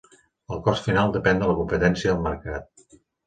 El cost final depèn de la competència al mercat.